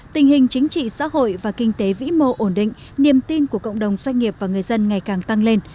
tình hình chính trị xã hội và kinh tế vĩ mô ổn định niềm tin của cộng đồng doanh nghiệp và người dân ngày càng tăng lên